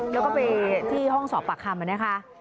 แล้วก็ไปที่ห้องสอบปากคำนะคะ